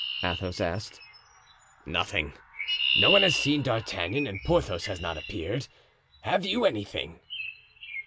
Athos asked. "Nothing. No one has seen D'Artagnan and Porthos has not appeared. Have you anything?"